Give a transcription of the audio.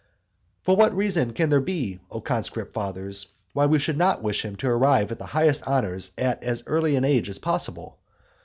For what reason can there be, O conscript fathers, why we should not wish him to arrive at the highest honours at as early an age as possible?